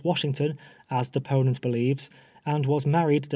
shington, as deponent believes, and was married Dec.